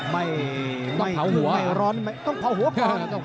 ไม่ร้อนต้องเผาหัวก่อน